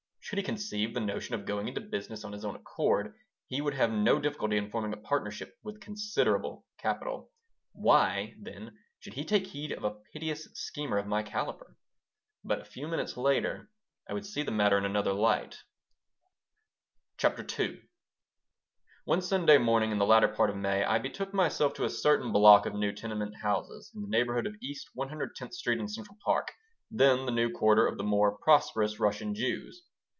Should he conceive the notion of going into business on his own account, he would have no difficulty in forming a partnership with considerable capital. Why, then, should he take heed of a piteous schemer of my caliber? But a few minutes later I would see the matter in another light CHAPTER II ONE Sunday morning in the latter part of May I betook myself to a certain block of new tenement houses in the neighborhood of East 110th Street and Central Park, then the new quarter of the more prosperous Russian Jews.